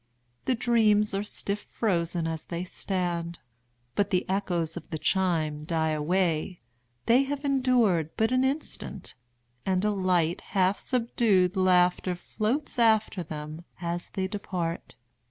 The dreams are stiff frozen as they stand. But the echoes of the chime die away—they have endured but an instant—and a light, half subdued laughter floats after them as they depart.